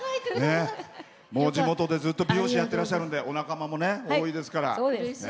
地元でずっと美容師やってらっしゃるんでお仲間、多いですから。